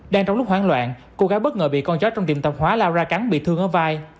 đang trong lúc hoãn loạn cô gái bất ngờ bị con chó trong tiệm tạp hóa lao ra cắn bị thương ở vai